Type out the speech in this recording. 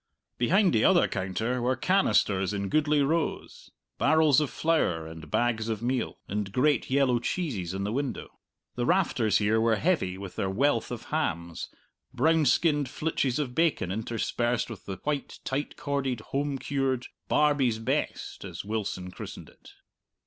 Behind the other counter were canisters in goodly rows, barrels of flour and bags of meal, and great yellow cheeses in the window. The rafters here were heavy with their wealth of hams, brown skinned flitches of bacon interspersed with the white tight corded home cured "Barbie's Best," as Wilson christened it.